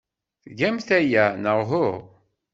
Tgamt aya, neɣ uhu?